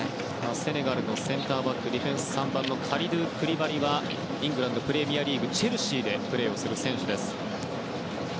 セネガルのセンターバックディフェンスの３番カリドゥ・クリバリはイングランド・プレミアリーグのチェルシーでプレーする選手。